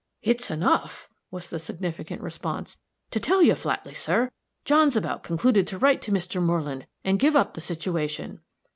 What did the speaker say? "It's enough!" was the significant response. "To tell you flatly, sir, John's about concluded to write to Mr. Moreland, and give up the situation."